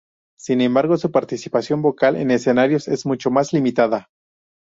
Sin embargo, su participación vocal en escenarios es mucho más limitada.